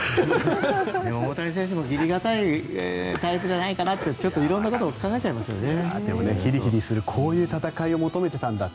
でも、大谷選手も義理堅いタイプじゃないかなってちょっといろんなことを考えちゃいますね。